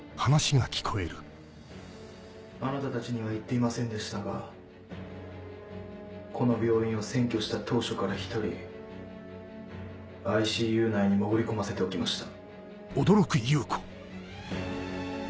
・・あなたたちには言っていませんでしたがこの病院を占拠した当初から１人ＩＣＵ内に潜り込ませておきました